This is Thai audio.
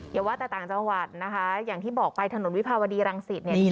อย่าว่าแต่ต่างจังหวัดนะคะอย่างที่บอกไปถนนวิภาวดีรังสิตเนี่ย